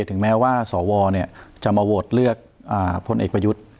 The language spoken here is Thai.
ถึงแม้ว่าสวจะมาโหวตเลือกพลเอกประยุทธ์